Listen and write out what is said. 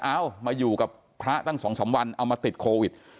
เอามาอยู่กับพระตั้ง๒๓วันเอามาติดโควิด